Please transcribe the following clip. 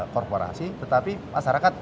korporasi tetapi masyarakat